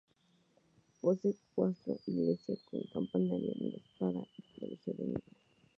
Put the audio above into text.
Posee claustro, iglesia con campanario en espadaña y colegio de niñas.